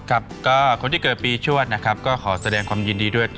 ครับก็คนที่เกิดปีชวดนะครับก็ขอแสดงความยินดีด้วย